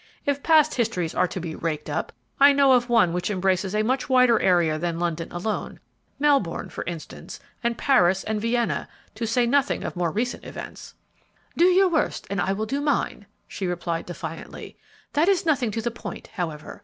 If past histories are to be raked up, I know of one which embraces a much wider area than London alone; Melbourne, for instance, and Paris and Vienna, to say nothing of more recent events!" "Do your worst, and I will do mine!" she replied, defiantly. "That is nothing to the point, however.